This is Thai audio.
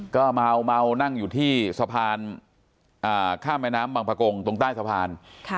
ก็เมานั่งอยู่ที่สะพานข้ามแม่น้ำบางประกงตรงใต้สะพาน